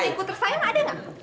tony ku tersayang ada gak